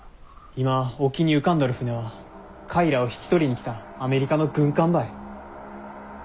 今沖に浮かんどる船はカイらを引き取りに来たアメリカの軍艦ばい。